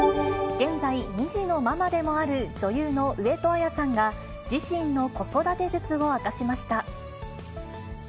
現在、２児のママでもある女優の上戸彩さんが、自身の子育て術を明かしました。